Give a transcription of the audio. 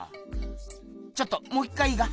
ちょっともう一回いいか？